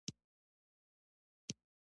منډه د سستۍ ضد ده